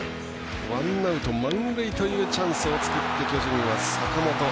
ワンアウト、満塁というチャンスを作って巨人は坂本。